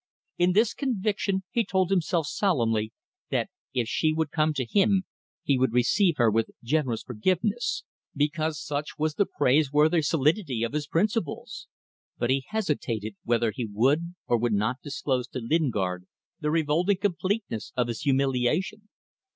In this conviction he told himself solemnly that if she would come to him he would receive her with generous forgiveness, because such was the praiseworthy solidity of his principles. But he hesitated whether he would or would not disclose to Lingard the revolting completeness of his humiliation.